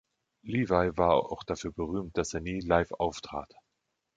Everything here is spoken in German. Leevi war auch dafür berühmt, dass er nie live auftrat.